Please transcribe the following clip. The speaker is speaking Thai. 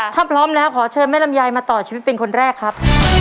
ถ้าพร้อมแล้วขอเชิญแม่ลำไยมาต่อชีวิตเป็นคนแรกครับ